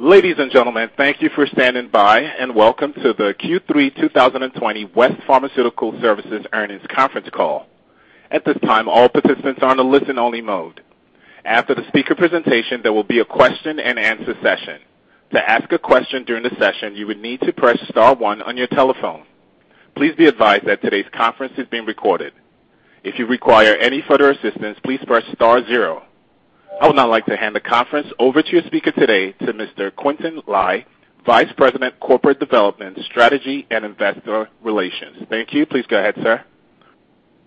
Ladies and gentlemen, thank you for standing by and welcome to the Q3 2020 West Pharmaceutical Services earnings conference call. At this time, all participants are in a listen-only mode. After the speaker presentation, there will be a question-and-answer session. To ask a question during the session, you would need to press star one on your telephone. Please be advised that today's conference is being recorded. If you require any further assistance, please press star zero. I would now like to hand the conference over to your speaker today, to Mr. Quintin Lai, Vice President, Corporate Development, Strategy, and Investor Relations. Thank you. Please go ahead, sir.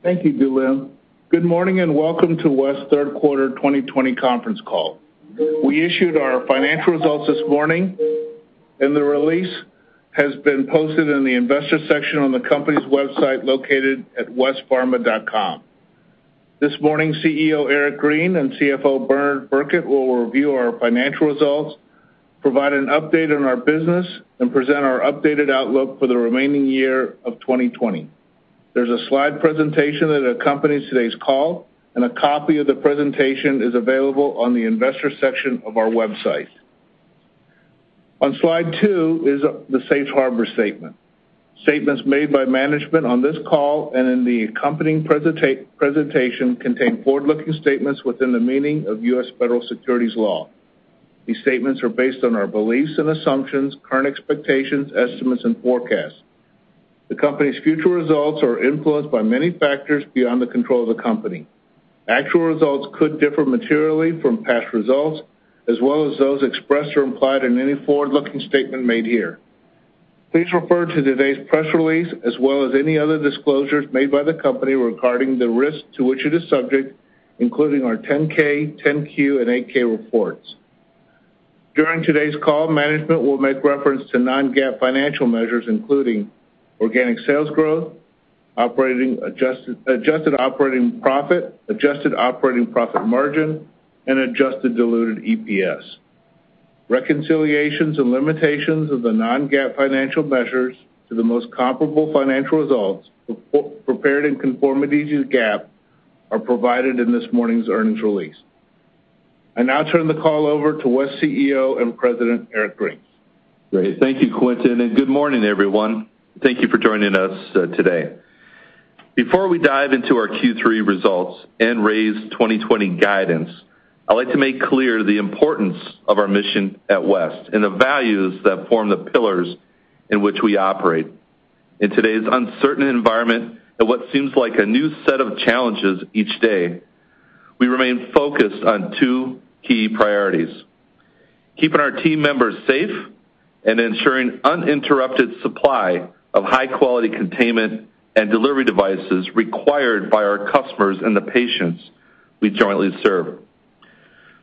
Thank you, Joleen. Good morning and welcome to West Third Quarter 2020 conference call. We issued our financial results this morning, and the release has been posted in the investor section on the company's website located at westpharma.com. This morning, CEO Eric Green and CFO Bernard Birkett will review our financial results, provide an update on our business, and present our updated outlook for the remaining year of 2020. There's a slide presentation that accompanies today's call, and a copy of the presentation is available on the investor section of our website. On Slide 2 is the Safe Harbor Statement. Statements made by management on this call and in the accompanying presentation contain forward-looking statements within the meaning of U.S. federal securities law. These statements are based on our beliefs and assumptions, current expectations, estimates, and forecasts. The company's future results are influenced by many factors beyond the control of the company. Actual results could differ materially from past results, as well as those expressed or implied in any forward-looking statement made here. Please refer to today's press release, as well as any other disclosures made by the company regarding the risks to which it is subject, including our 10-K, 10-Q, and 8-K reports. During today's call, management will make reference to non-GAAP financial measures, including organic sales growth, adjusted operating profit, adjusted operating profit margin, and adjusted diluted EPS. Reconciliations and limitations of the non-GAAP financial measures to the most comparable financial results prepared in conformity to GAAP are provided in this morning's earnings release. I now turn the call over to West CEO and President Eric Green. Great. Thank you, Quintin, and good morning, everyone. Thank you for joining us today. Before we dive into our Q3 results and raise 2020 guidance, I'd like to make clear the importance of our mission at West and the values that form the pillars in which we operate. In today's uncertain environment and what seems like a new set of challenges each day, we remain focused on two key priorities: keeping our team members safe and ensuring uninterrupted supply of high-quality containment and delivery devices required by our customers and the patients we jointly serve.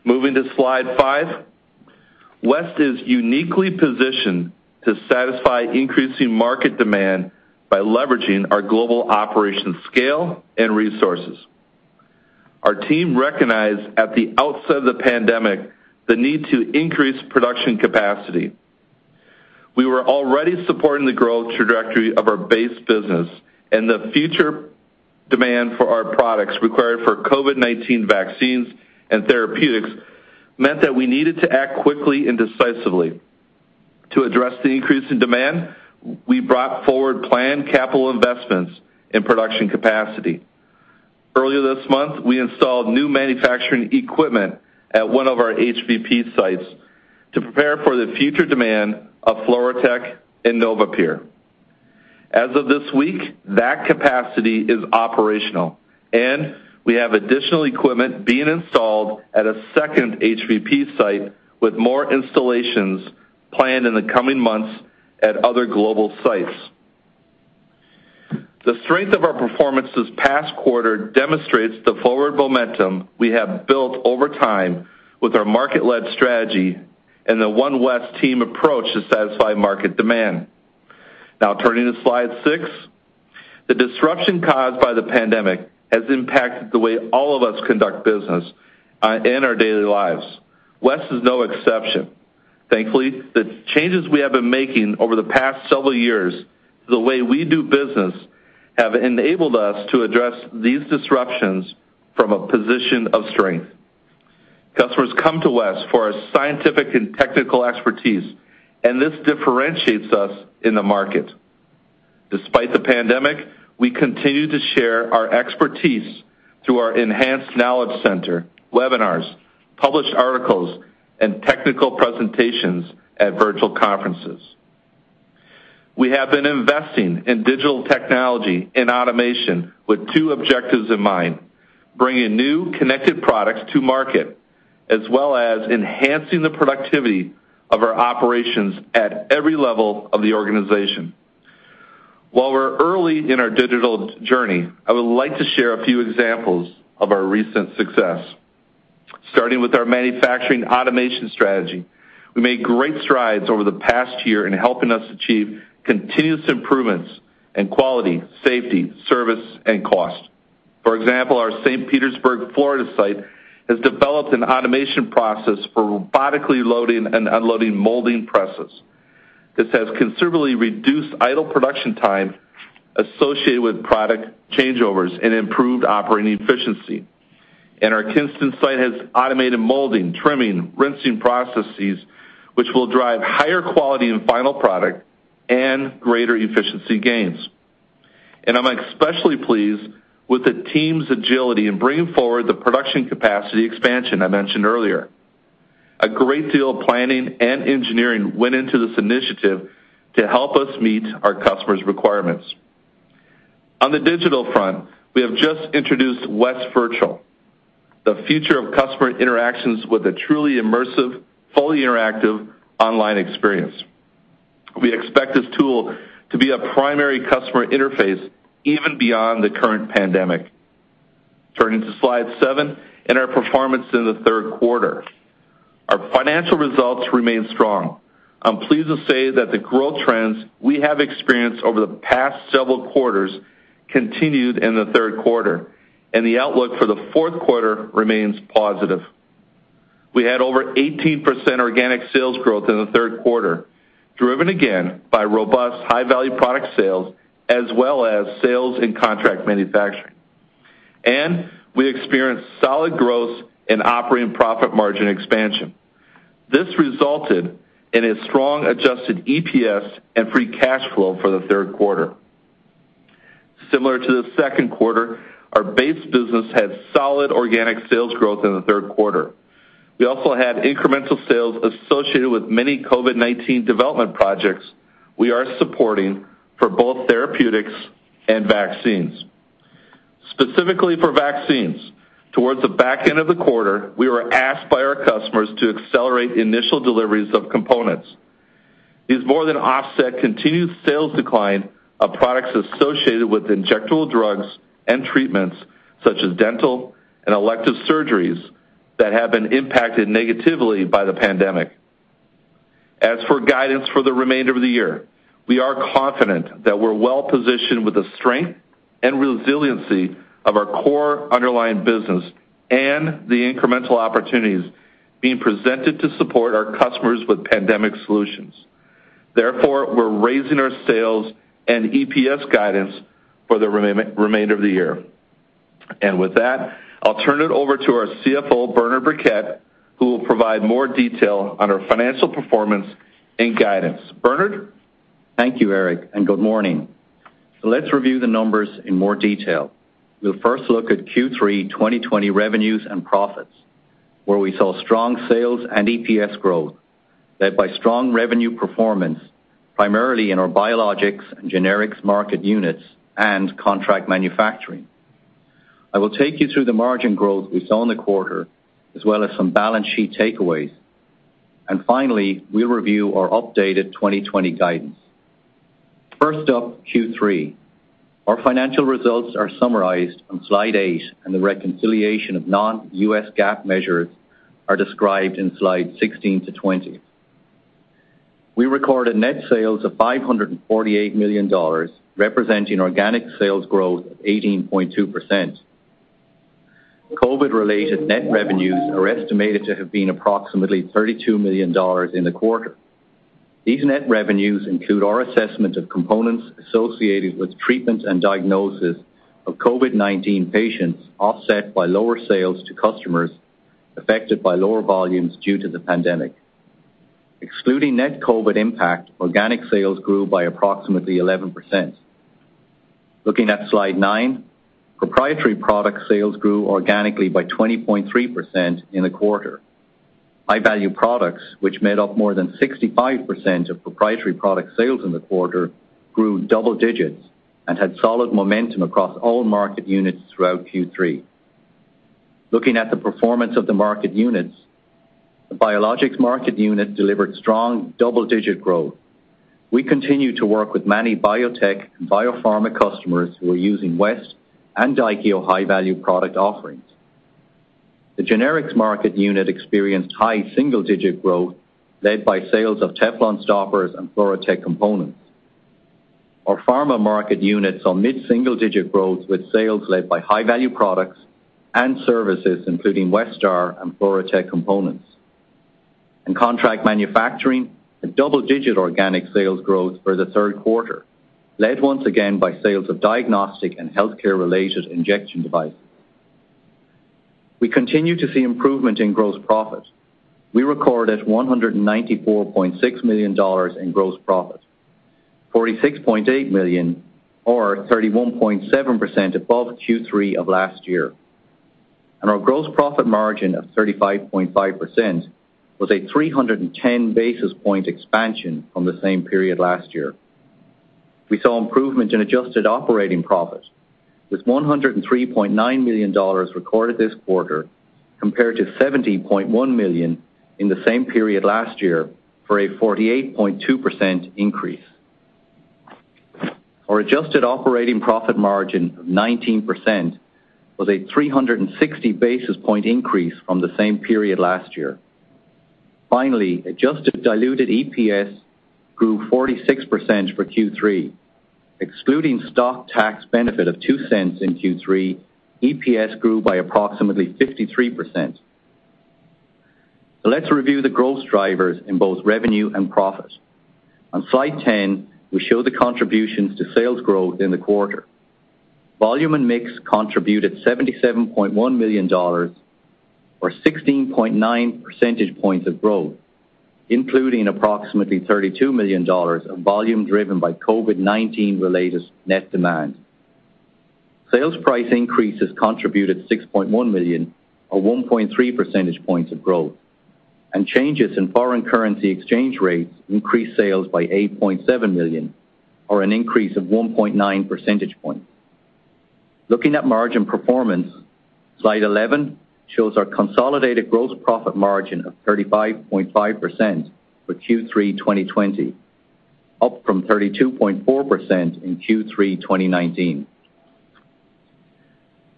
Moving to Slide 5, West is uniquely positioned to satisfy increasing market demand by leveraging our global operation scale and resources. Our team recognized at the outset of the pandemic the need to increase production capacity. We were already supporting the growth trajectory of our base business, and the future demand for our products required for COVID-19 vaccines and therapeutics meant that we needed to act quickly and decisively. To address the increase in demand, we brought forward planned capital investments in production capacity. Earlier this month, we installed new manufacturing equipment at one of our HVP sites to prepare for the future demand of FluoroTec and NovaPure. As of this week, that capacity is operational, and we have additional equipment being installed at a second HVP site with more installations planned in the coming months at other global sites. The strength of our performance this past quarter demonstrates the forward momentum we have built over time with our market-led strategy and the One West team approach to satisfy market demand. Now, turning to Slide 6, the disruption caused by the pandemic has impacted the way all of us conduct business in our daily lives. West is no exception. Thankfully, the changes we have been making over the past several years to the way we do business have enabled us to address these disruptions from a position of strength. Customers come to West for our scientific and technical expertise, and this differentiates us in the market. Despite the pandemic, we continue to share our expertise through our enhanced knowledge center, webinars, published articles, and technical presentations at virtual conferences. We have been investing in digital technology and automation with two objectives in mind: bringing new connected products to market, as well as enhancing the productivity of our operations at every level of the organization. While we're early in our digital journey, I would like to share a few examples of our recent success. Starting with our manufacturing automation strategy, we made great strides over the past year in helping us achieve continuous improvements in quality, safety, service, and cost. For example, our St. Petersburg, Florida site has developed an automation process for robotically loading and unloading molding presses. This has considerably reduced idle production time associated with product changeovers and improved operating efficiency, and our Kinston site has automated molding, trimming, rinsing processes, which will drive higher quality in final product and greater efficiency gains, and I'm especially pleased with the team's agility in bringing forward the production capacity expansion I mentioned earlier. A great deal of planning and engineering went into this initiative to help us meet our customers' requirements. On the digital front, we have just introduced West Virtual, the future of customer interactions with a truly immersive, fully interactive online experience. We expect this tool to be a primary customer interface even beyond the current pandemic. Turning to Slide 7 and our performance in the third quarter, our financial results remain strong. I'm pleased to say that the growth trends we have experienced over the past several quarters continued in the third quarter, and the outlook for the fourth quarter remains positive. We had over 18% organic sales growth in the third quarter, driven again by robust High-Value Product sales as well as sales and Contract Manufacturing. And we experienced solid growth in operating profit margin expansion. This resulted in a strong adjusted EPS and free cash flow for the third quarter. Similar to the second quarter, our base business had solid organic sales growth in the third quarter. We also had incremental sales associated with many COVID-19 development projects we are supporting for both therapeutics and vaccines. Specifically for vaccines, towards the back end of the quarter, we were asked by our customers to accelerate initial deliveries of components. These more than offset continued sales decline of products associated with injectable drugs and treatments such as dental and elective surgeries that have been impacted negatively by the pandemic. As for guidance for the remainder of the year, we are confident that we're well positioned with the strength and resiliency of our core underlying business and the incremental opportunities being presented to support our customers with pandemic solutions. Therefore, we're raising our sales and EPS guidance for the remainder of the year. With that, I'll turn it over to our CFO, Bernard Birkett, who will provide more detail on our financial performance and guidance. Bernard. Thank you, Eric, and good morning. Let's review the numbers in more detail. We'll first look at Q3 2020 revenues and profits, where we saw strong sales and EPS growth led by strong revenue performance, primarily in our Biologics and Generics market units and Contract Manufacturing. I will take you through the margin growth we saw in the quarter, as well as some balance sheet takeaways. Finally, we'll review our updated 2020 guidance. First up, Q3. Our financial results are summarized on Slide 8, and the reconciliation of non-GAAP measures are described in Slides 16-20. We recorded net sales of $548 million, representing organic sales growth of 18.2%. COVID-related net revenues are estimated to have been approximately $32 million in the quarter. These net revenues include our assessment of components associated with treatment and diagnosis of COVID-19 patients, offset by lower sales to customers affected by lower volumes due to the pandemic. Excluding net COVID impact, organic sales grew by approximately 11%. Looking at Slide 9, Proprietary Product sales grew organically by 20.3% in the quarter. High-Value Products, which made up more than 65% of Proprietary Product sales in the quarter, grew double digits and had solid momentum across all market units throughout Q3. Looking at the performance of the market units, the Biologics market unit delivered strong double-digit growth. We continue to work with many biotech and biopharma customers who are using West and Daikio High-Value Product offerings. The Generics market unit experienced high single-digit growth led by sales of Teflon stoppers and FluoroTec components. Our Pharma market units saw mid-single-digit growth with sales led by High-Value Products and services, including Westar and FluoroTec components. In Contract Manufacturing, a double-digit organic sales growth for the third quarter led once again by sales of diagnostic and healthcare-related injection devices. We continue to see improvement in gross profit. We recorded $194.6 million in gross profit, $46.8 million, or 31.7% above Q3 of last year, and our gross profit margin of 35.5% was a 310 basis points expansion from the same period last year. We saw improvement in adjusted operating profit, with $103.9 million recorded this quarter compared to $70.1 million in the same period last year for a 48.2% increase. Our adjusted operating profit margin of 19% was a 360 basis points increase from the same period last year. Finally, adjusted diluted EPS grew 46% for Q3. Excluding stock tax benefit of $0.02 in Q3, EPS grew by approximately 53%. So let's review the growth drivers in both revenue and profit. On Slide 10, we show the contributions to sales growth in the quarter. Volume and mix contributed $77.1 million, or 16.9 percentage points of growth, including approximately $32 million of volume driven by COVID-19-related net demand. Sales price increases contributed $6.1 million, or 1.3 percentage points of growth. And changes in foreign currency exchange rates increased sales by $8.7 million, or an increase of 1.9 percentage points. Looking at margin performance, Slide 11 shows our consolidated gross profit margin of 35.5% for Q3 2020, up from 32.4% in Q3 2019.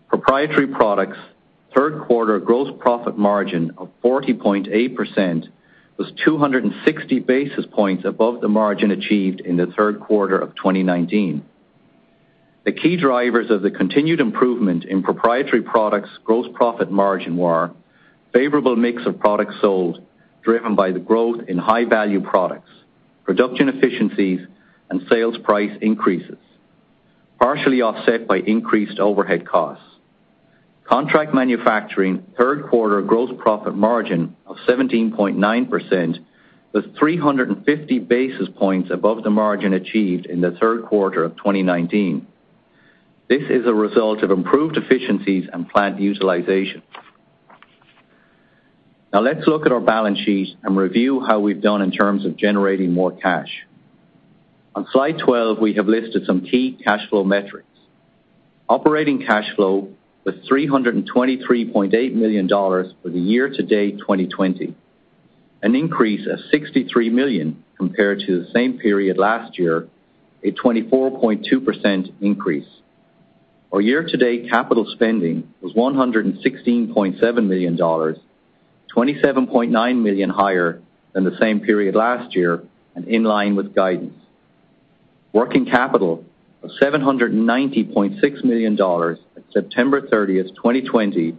Proprietary Products' third quarter gross profit margin of 40.8% was 260 basis points above the margin achieved in the third quarter of 2019. The key drivers of the continued improvement in Proprietary Products' gross profit margin were favorable mix of products sold, driven by the growth in High-Value Products, production efficiencies, and sales price increases, partially offset by increased overhead costs. Contract Manufacturing third quarter gross profit margin of 17.9% was 350 basis points above the margin achieved in the third quarter of 2019. This is a result of improved efficiencies and plant utilization. Now, let's look at our balance sheet and review how we've done in terms of generating more cash. On Slide 12, we have listed some key cash flow metrics. Operating cash flow was $323.8 million for the year-to-date 2020, an increase of $63 million compared to the same period last year, a 24.2% increase. Our year-to-date capital spending was $116.7 million, $27.9 million higher than the same period last year and in line with guidance. Working capital of $790.6 million at September 30, 2020,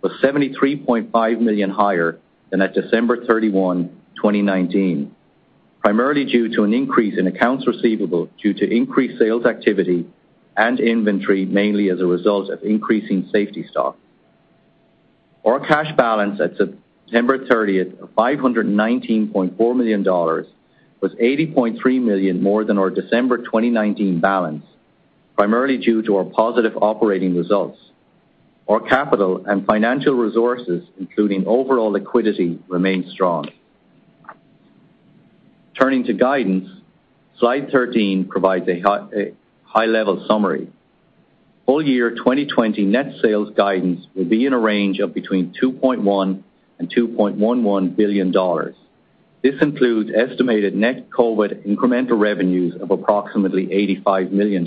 was $73.5 million higher than at December 31, 2019, primarily due to an increase in accounts receivable due to increased sales activity and inventory, mainly as a result of increasing safety stock. Our cash balance at September 30 of $519.4 million was $80.3 million more than our December 2019 balance, primarily due to our positive operating results. Our capital and financial resources, including overall liquidity, remained strong. Turning to guidance, Slide 13 provides a high-level summary. Full year 2020 net sales guidance will be in a range of between $2.1 billion and $2.11 billion. This includes estimated net COVID incremental revenues of approximately $85 million.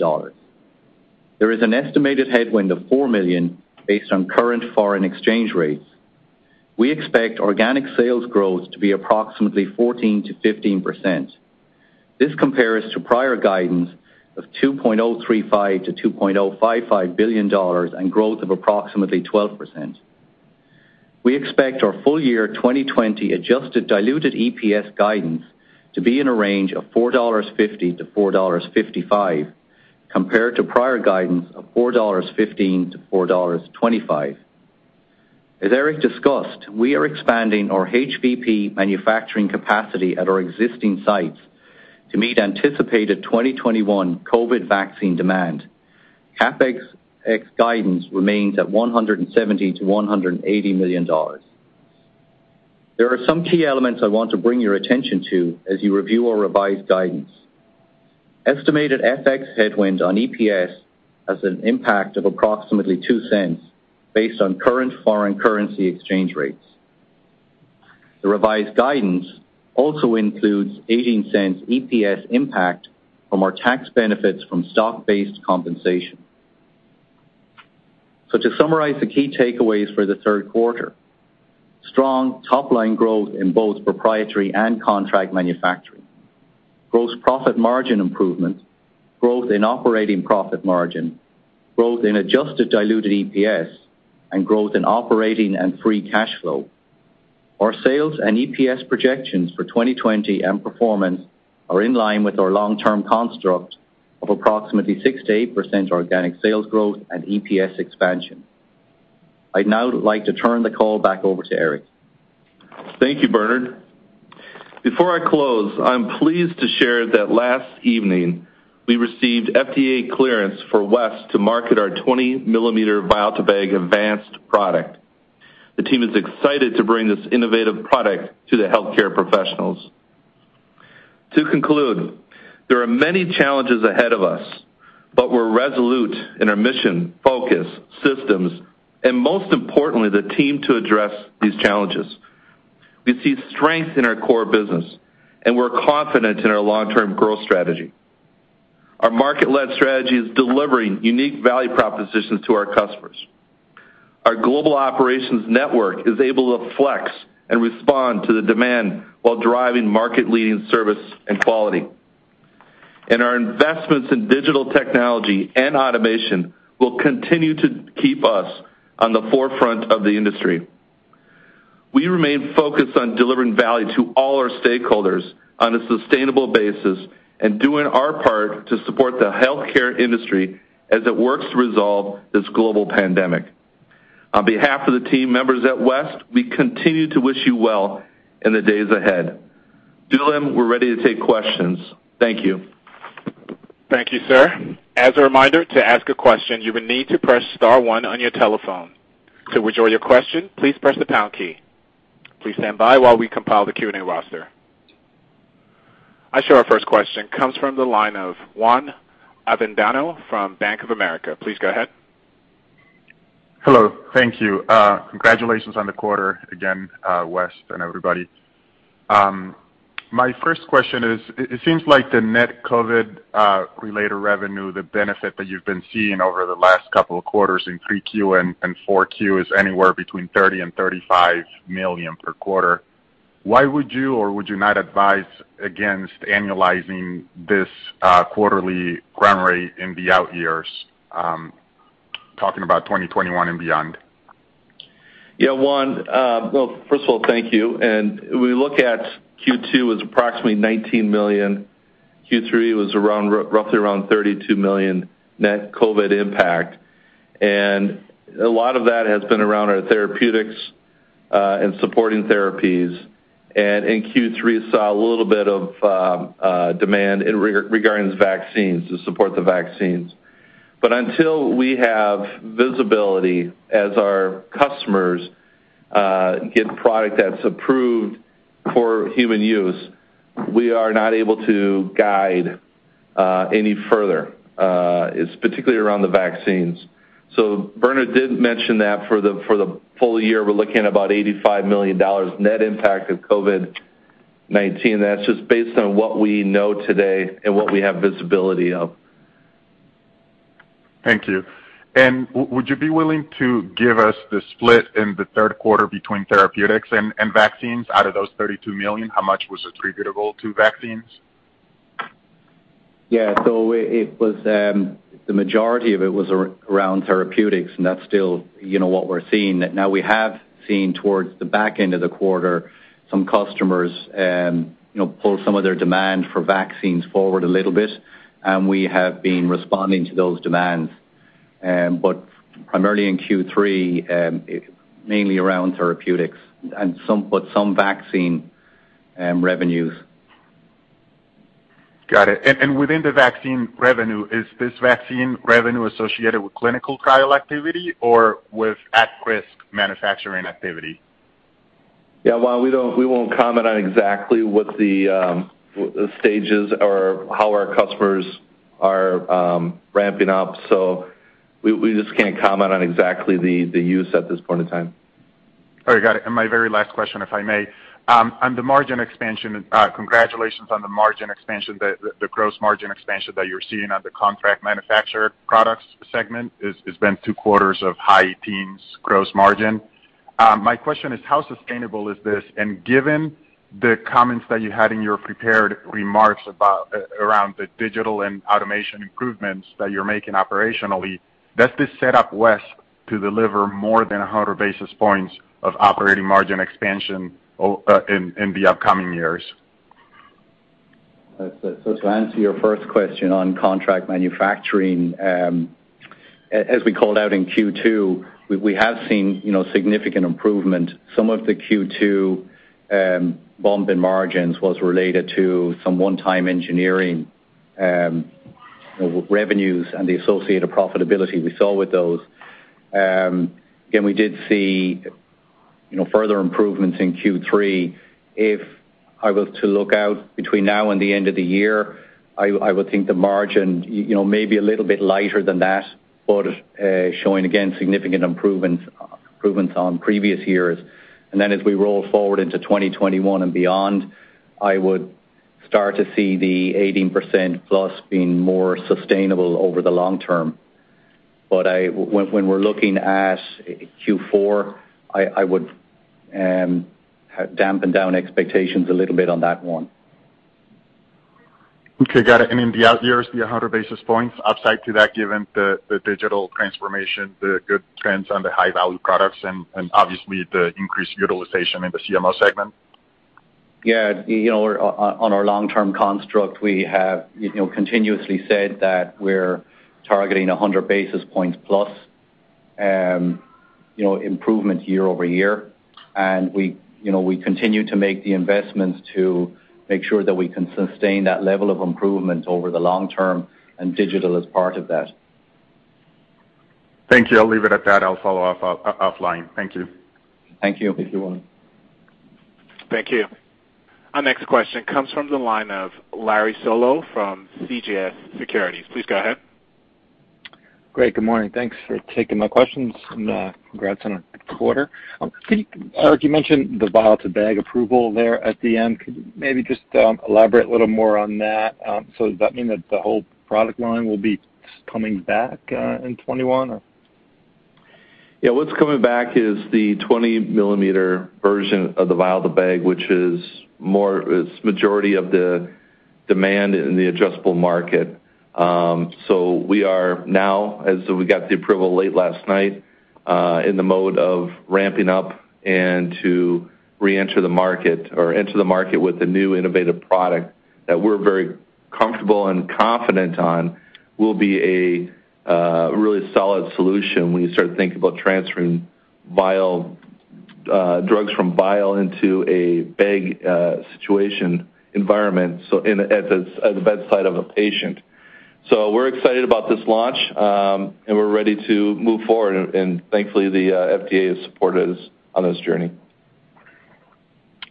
There is an estimated headwind of $4 million based on current foreign exchange rates. We expect organic sales growth to be approximately 14%-15%. This compares to prior guidance of $2.035-$2.055 billion and growth of approximately 12%. We expect our full year 2020 adjusted diluted EPS guidance to be in a range of $4.50-$4.55, compared to prior guidance of $4.15-$4.25. As Eric Green discussed, we are expanding our HVP manufacturing capacity at our existing sites to meet anticipated 2021 COVID vaccine demand. CapEx guidance remains at $170-$180 million. There are some key elements I want to bring your attention to as you review our revised guidance. Estimated FX headwind on EPS has an impact of approximately $0.02 based on current foreign currency exchange rates. The revised guidance also includes $0.18 EPS impact from our tax benefits from stock-based compensation. So to summarize the key takeaways for the third quarter: strong top-line growth in both Proprietary and Contract Manufacturing, gross profit margin improvement, growth in operating profit margin, growth in adjusted diluted EPS, and growth in operating and free cash flow. Our sales and EPS projections for 2020 and performance are in line with our long-term construct of approximately 6%-8% organic sales growth and EPS expansion. I'd now like to turn the call back over to Eric. Thank you, Bernard. Before I close, I'm pleased to share that last evening we received FDA clearance for West to market our 20-millimeter Vial2Bag Advanced product. The team is excited to bring this innovative product to the healthcare professionals. To conclude, there are many challenges ahead of us, but we're resolute in our mission, focus, systems, and most importantly, the team to address these challenges. We see strength in our core business, and we're confident in our long-term growth strategy. Our market-led strategy is delivering unique value propositions to our customers. Our global operations network is able to flex and respond to the demand while driving market-leading service and quality, and our investments in digital technology and automation will continue to keep us on the forefront of the industry. We remain focused on delivering value to all our stakeholders on a sustainable basis and doing our part to support the healthcare industry as it works to resolve this global pandemic. On behalf of the team members at West, we continue to wish you well in the days ahead. Joleen, we're ready to take questions. Thank you. Thank you, sir. As a reminder, to ask a question, you will need to press star one on your telephone. To withdraw your question, please press the pound key. Please stand by while we compile the Q&A roster. I show our first question comes from the line of Juan Avendano from Bank of America. Please go ahead. Hello. Thank you. Congratulations on the quarter again, West and everybody. My first question is, it seems like the net COVID-related revenue, the benefit that you've been seeing over the last couple of quarters in 3Q and 4Q, is anywhere between $30 million and $35 million per quarter. Why would you or would you not advise against annualizing this quarterly ground rate in the out years, talking about 2021 and beyond? Yeah, Juan, well, first of all, thank you. And we look at Q2 as approximately $19 million. Q3 was roughly around $32 million net COVID impact. And a lot of that has been around our therapeutics and supporting therapies. And in Q3, we saw a little bit of demand regarding vaccines to support the vaccines. But until we have visibility as our customers get product that's approved for human use, we are not able to guide any further, particularly around the vaccines. So Bernard did mention that for the full year, we're looking at about $85 million net impact of COVID-19. That's just based on what we know today and what we have visibility of. Thank you. And would you be willing to give us the split in the third quarter between therapeutics and vaccines out of those 32 million? How much was attributable to vaccines? Yeah. So the majority of it was around therapeutics, and that's still what we're seeing. Now, we have seen towards the back end of the quarter some customers pull some of their demand for vaccines forward a little bit, and we have been responding to those demands, but primarily in Q3, mainly around therapeutics, but some vaccine revenues. Got it. And within the vaccine revenue, is this vaccine revenue associated with clinical trial activity or with at-risk manufacturing activity? Yeah, well, we won't comment on exactly what the stages or how our customers are ramping up. So we just can't comment on exactly the use at this point in time. All right. Got it. And my very last question, if I may. On the margin expansion, congratulations on the margin expansion, the gross margin expansion that you're seeing on the contract manufacturer products segment. It's been two quarters of high teens gross margin. My question is, how sustainable is this? And given the comments that you had in your prepared remarks around the digital and automation improvements that you're making operationally, does this set up West to deliver more than 100 basis points of operating margin expansion in the upcoming years? So to answer your first question on Contract Manufacturing, as we called out in Q2, we have seen significant improvement. Some of the Q2 bump in margins was related to some one-time engineering revenues and the associated profitability we saw with those. Again, we did see further improvements in Q3. If I was to look out between now and the end of the year, I would think the margin may be a little bit lighter than that, but showing, again, significant improvements on previous years. And then as we roll forward into 2021 and beyond, I would start to see the 18% plus being more sustainable over the long term. But when we're looking at Q4, I would dampen down expectations a little bit on that one. Okay. Got it. And in the out years, the 100 basis points upside to that, given the digital transformation, the good trends on the High-Value Products, and obviously the increased utilization in the CMO segment? Yeah. On our long-term construct, we have continuously said that we're targeting 100 basis points plus improvement year-over-year, and we continue to make the investments to make sure that we can sustain that level of improvement over the long term, and digital is part of that. Thank you. I'll leave it at that. I'll follow up offline. Thank you. Thank you. Thank you, Juan. Thank you. Our next question comes from the line of Larry Solow from CJS Securities. Please go ahead. Great. Good morning. Thanks for taking my questions and congrats on the quarter. Eric, you mentioned the Vial2Bag approval there at the end. Could you maybe just elaborate a little more on that? So does that mean that the whole product line will be coming back in 2021? Yeah. What's coming back is the 20-millimeter version of the Vial2Bag, which is more its majority of the demand in the admixture market. So we are now, as we got the approval late last night, in the mode of ramping up and to re-enter the market or enter the market with a new innovative product that we're very comfortable and confident on will be a really solid solution when you start to think about transferring drugs from vial into a bag situation environment as a bedside of a patient. So we're excited about this launch, and we're ready to move forward, and thankfully, the FDA has supported us on this journey.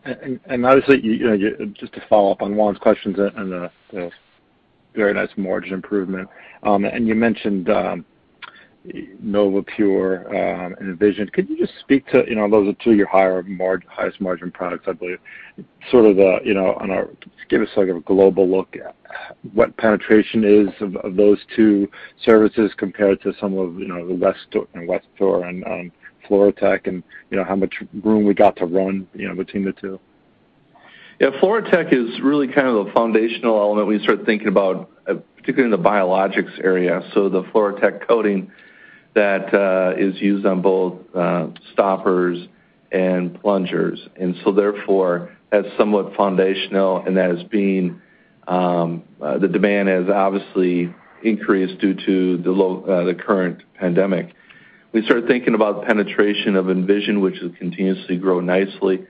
Obviously, just to follow up on Juan's questions and the very nice margin improvement. You mentioned NovaPure and Envision. Could you just speak to those? They are two of your highest margin products, I believe. Sort of give us a global look at what penetration is of those two services compared to some of the Westar and FluoroTec and how much room we got to run between the two? Yeah. FluoroTec is really kind of the foundational element we start thinking about, particularly in the Biologics area. So the FluoroTec coating that is used on both stoppers and plungers. And so therefore, that's somewhat foundational, and that has been the demand has obviously increased due to the current pandemic. We started thinking about penetration of Envision, which has continuously grown nicely,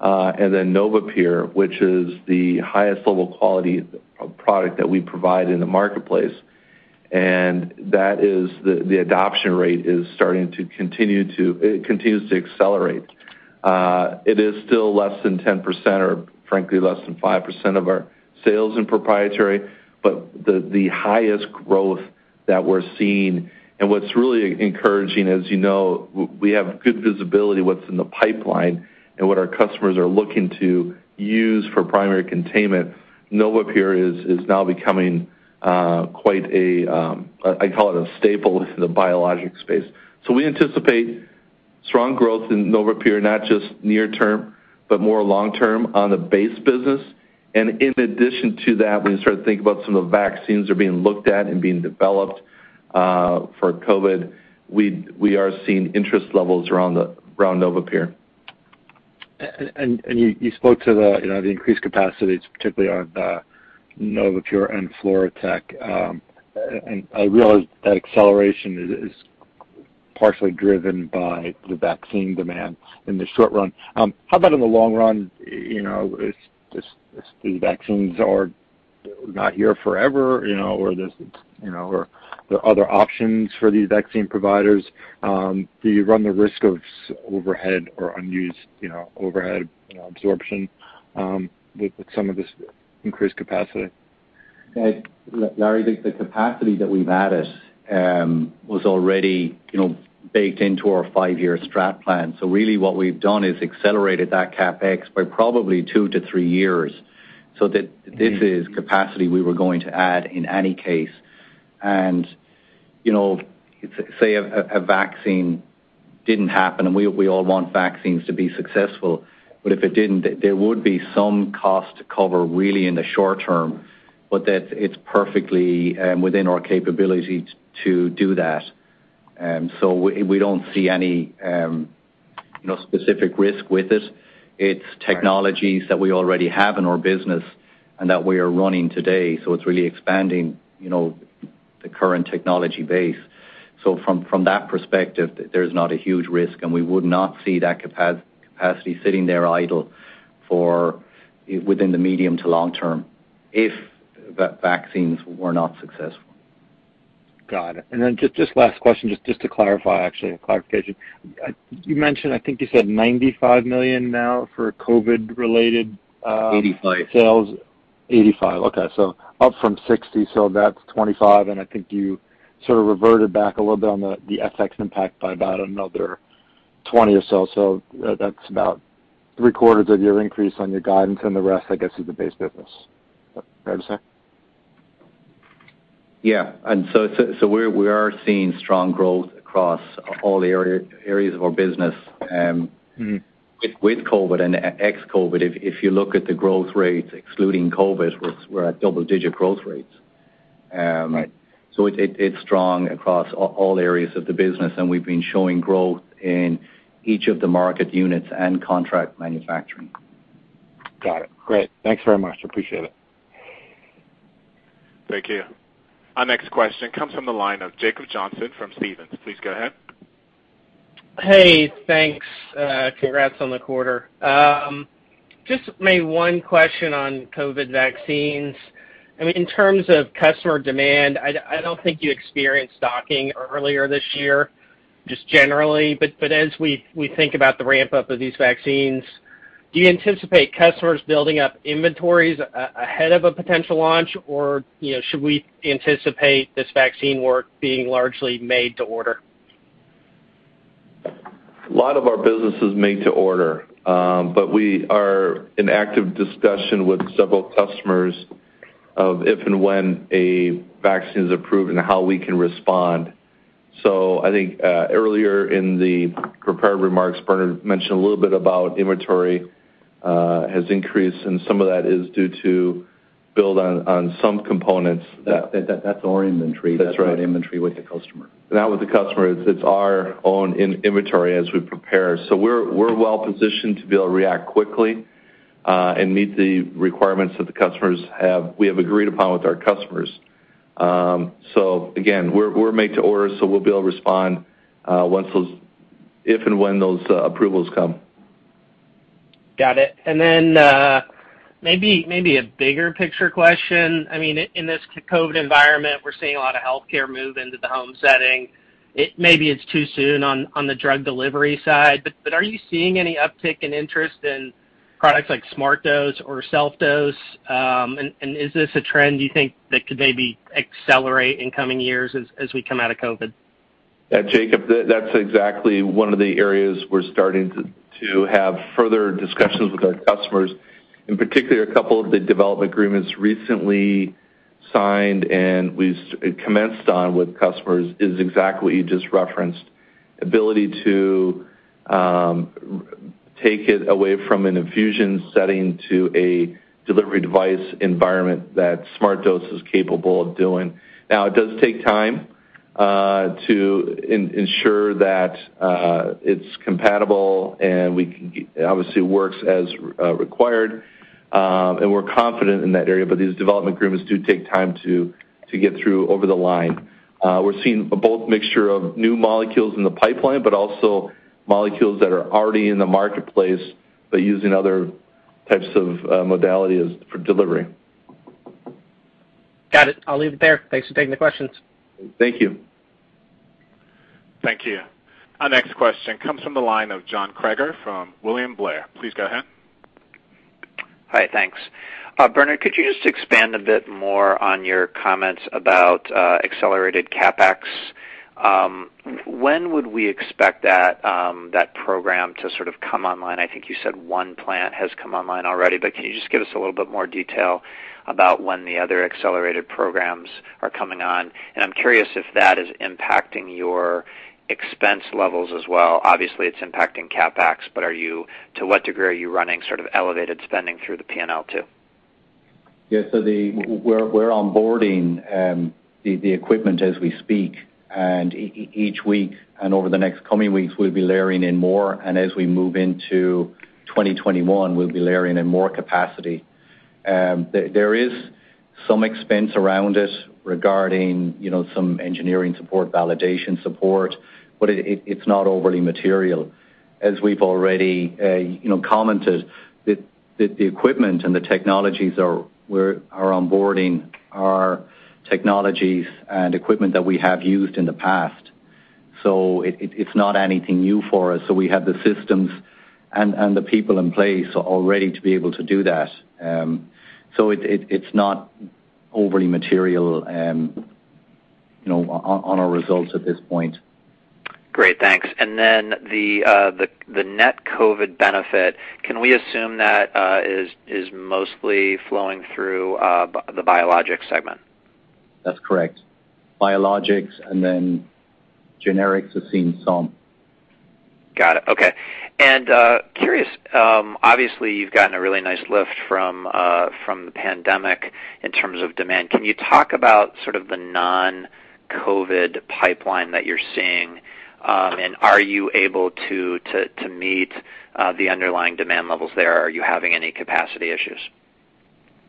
and then NovaPure, which is the highest level quality product that we provide in the marketplace. And that is the adoption rate is starting to continue to it continues to accelerate. It is still less than 10% or, frankly, less than 5% of our sales in Proprietary, but the highest growth that we're seeing. And what's really encouraging, as you know, we have good visibility of what's in the pipeline and what our customers are looking to use for primary containment. NovaPure is now becoming quite a, I call it a staple in the biologic space, so we anticipate strong growth in NovaPure, not just near term, but more long term on the base business, and in addition to that, we started to think about some of the vaccines that are being looked at and being developed for COVID. We are seeing interest levels around NovaPure. You spoke to the increased capacities, particularly on NovaPure and FluoroTec. I realize that acceleration is partially driven by the vaccine demand in the short run. How about in the long run? These vaccines are not here forever, or there are other options for these vaccine providers. Do you run the risk of overhead or unused overhead absorption with some of this increased capacity? Larry, the capacity that we've added was already baked into our five-year strat plan. So really what we've done is accelerated that CapEx by probably two to three years. So this is capacity we were going to add in any case. And say a vaccine didn't happen, and we all want vaccines to be successful, but if it didn't, there would be some cost to cover really in the short term, but it's perfectly within our capability to do that. So we don't see any specific risk with it. It's technologies that we already have in our business and that we are running today. So it's really expanding the current technology base. So from that perspective, there's not a huge risk, and we would not see that capacity sitting there idle within the medium to long term if vaccines were not successful. Got it. And then just last question, just to clarify, actually, clarification. You mentioned, I think you said $95 million now for COVID-related sales. 85. 85. Okay. So up from 60. So that's 25. And I think you sort of reverted back a little bit on the FX impact by about another 20 or so. So that's about three quarters of your increase on your guidance, and the rest, I guess, is the base business. Fair to say? Yeah, and so we are seeing strong growth across all areas of our business with COVID and ex-COVID. If you look at the growth rates, excluding COVID, we're at double-digit growth rates, so it's strong across all areas of the business, and we've been showing growth in each of the market units and Contract Manufacturing. Got it. Great. Thanks very much. Appreciate it. Thank you. Our next question comes from the line of Jacob Johnson from Stephens. Please go ahead. Hey. Thanks. Congrats on the quarter. Just maybe one question on COVID vaccines. I mean, in terms of customer demand, I don't think you experienced stocking earlier this year, just generally. But as we think about the ramp-up of these vaccines, do you anticipate customers building up inventories ahead of a potential launch, or should we anticipate this vaccine work being largely made to order? A lot of our business is made to order, but we are in active discussion with several customers on if and when a vaccine is approved and how we can respond. So I think earlier in the prepared remarks, Bernard mentioned a little bit about inventory has increased, and some of that is due to build on some components. That's our inventory. That's our inventory with the customer. Not with the customer. It's our own inventory as we prepare. So we're well-positioned to be able to react quickly and meet the requirements that the customers have, we have agreed upon with our customers. So again, we're made to order, so we'll be able to respond if and when those approvals come. Got it. And then maybe a bigger picture question. I mean, in this COVID environment, we're seeing a lot of healthcare move into the home setting. Maybe it's too soon on the drug delivery side, but are you seeing any uptick in interest in products like SmartDose or SelfDose? And is this a trend you think that could maybe accelerate in coming years as we come out of COVID? Yeah, Jacob, that's exactly one of the areas we're starting to have further discussions with our customers. In particular, a couple of the development agreements recently signed and we've commenced on with customers is exactly what you just referenced. Ability to take it away from an infusion setting to a delivery device environment that SmartDose is capable of doing. Now, it does take time to ensure that it's compatible and obviously works as required, and we're confident in that area, but these development agreements do take time to get through over the line. We're seeing both a mixture of new molecules in the pipeline, but also molecules that are already in the marketplace, but using other types of modalities for delivery. Got it. I'll leave it there. Thanks for taking the questions. Thank you. Thank you. Our next question comes from the line of John Kreger from William Blair. Please go ahead. Hi. Thanks. Bernard, could you just expand a bit more on your comments about accelerated CapEx? When would we expect that program to sort of come online? I think you said one plant has come online already, but can you just give us a little bit more detail about when the other accelerated programs are coming on? And I'm curious if that is impacting your expense levels as well. Obviously, it's impacting CapEx, but to what degree are you running sort of elevated spending through the P&L too? Yeah. So we're onboarding the equipment as we speak. And each week and over the next coming weeks, we'll be layering in more. And as we move into 2021, we'll be layering in more capacity. There is some expense around it regarding some engineering support, validation support, but it's not overly material. As we've already commented, the equipment and the technologies we're onboarding are technologies and equipment that we have used in the past. So it's not anything new for us. So we have the systems and the people in place already to be able to do that. So it's not overly material on our results at this point. Great. Thanks. And then the net COVID benefit, can we assume that is mostly flowing through the Biologics segment? That's correct. Biologics and then Generics have seen some. Got it. Okay. And curious, obviously, you've gotten a really nice lift from the pandemic in terms of demand. Can you talk about sort of the non-COVID pipeline that you're seeing, and are you able to meet the underlying demand levels there? Are you having any capacity issues?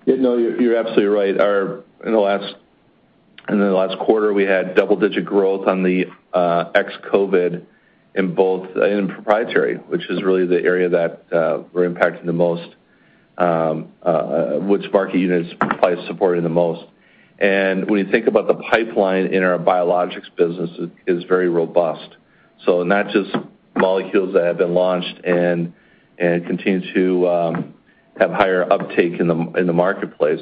Yeah. No, you're absolutely right. In the last quarter, we had double-digit growth on the ex-COVID in both Proprietary, which is really the area that we're impacting the most, which market units provide support in the most. And when you think about the pipeline in our Biologics business, it is very robust. So not just molecules that have been launched and continue to have higher uptake in the marketplace,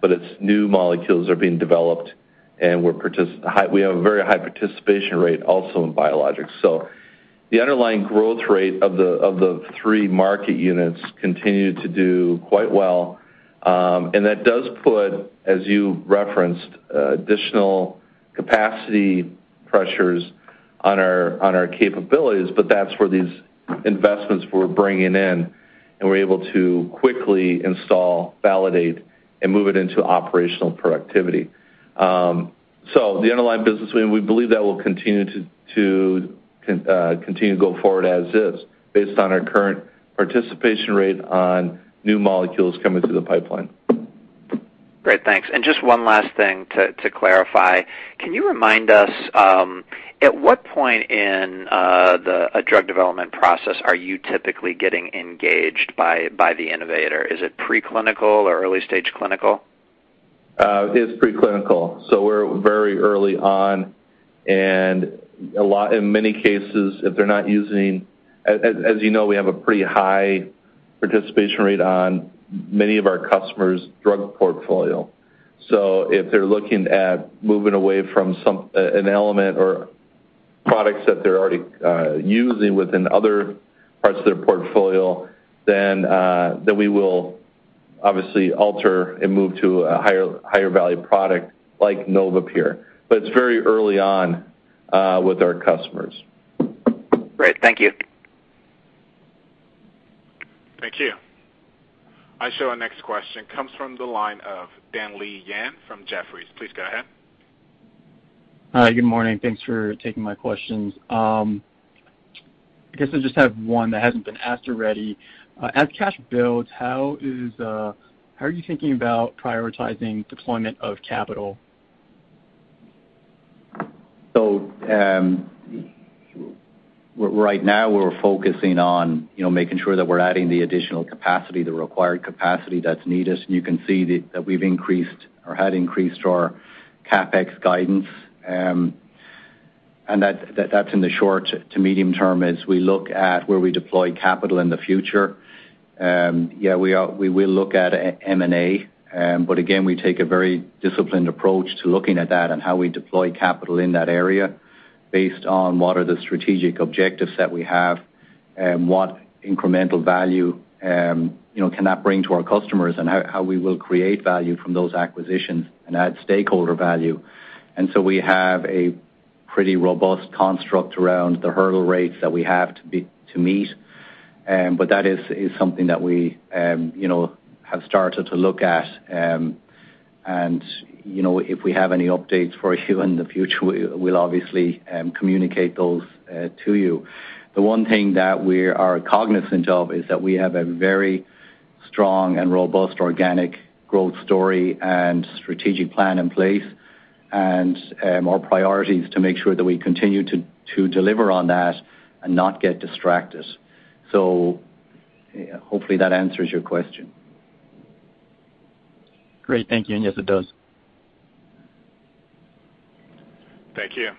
but it's new molecules that are being developed, and we have a very high participation rate also in Biologics. So the underlying growth rate of the three market units continues to do quite well. And that does put, as you referenced, additional capacity pressures on our capabilities, but that's where these investments we're bringing in, and we're able to quickly install, validate, and move it into operational productivity. So the underlying business, we believe that will continue to go forward as is based on our current participation rate on new molecules coming through the pipeline. Great. Thanks. And just one last thing to clarify. Can you remind us, at what point in a drug development process are you typically getting engaged by the innovator? Is it preclinical or early-stage clinical? It's preclinical, so we're very early on, and in many cases, if they're not using, as you know, we have a pretty high participation rate on many of our customers' drug portfolio, so if they're looking at moving away from an elastomer or products that they're already using within other parts of their portfolio, then we will obviously alter and move to a higher-value product like NovaPure, but it's very early on with our customers. Great. Thank you. Thank you. Our next question comes from the line of David Windley from Jefferies. Please go ahead. Hi. Good morning. Thanks for taking my questions. I guess I just have one that hasn't been asked already. As cash builds, how are you thinking about prioritizing deployment of capital? Right now, we're focusing on making sure that we're adding the additional capacity, the required capacity that's needed. You can see that we've increased or had increased our CapEx guidance. That's in the short to medium term as we look at where we deploy capital in the future. Yeah, we will look at M&A, but again, we take a very disciplined approach to looking at that and how we deploy capital in that area based on what are the strategic objectives that we have and what incremental value can that bring to our customers and how we will create value from those acquisitions and add stakeholder value. We have a pretty robust construct around the hurdle rates that we have to meet, but that is something that we have started to look at. If we have any updates for you in the future, we'll obviously communicate those to you. The one thing that we are cognizant of is that we have a very strong and robust organic growth story and strategic plan in place and our priorities to make sure that we continue to deliver on that and not get distracted. Hopefully that answers your question? Great. Thank you. Yes, it does. Thank you.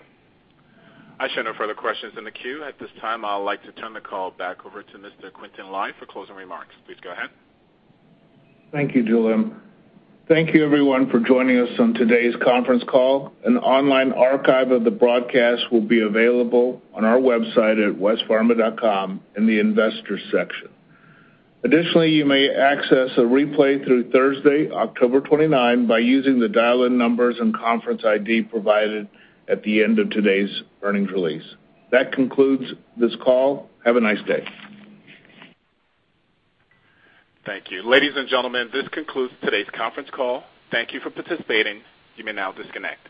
I see no further questions in the queue. At this time, I'd like to turn the call back over to Mr. Quintin Lai for closing remarks. Please go ahead. Thank you, Joleen. Thank you, everyone, for joining us on today's conference call. An online archive of the broadcast will be available on our website at westpharma.com in the investors' section. Additionally, you may access a replay through Thursday, October 29, by using the dial-in numbers and conference ID provided at the end of today's earnings release. That concludes this call. Have a nice day. Thank you. Ladies and gentlemen, this concludes today's conference call. Thank you for participating. You may now disconnect.